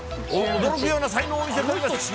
驚くような才能を見せております。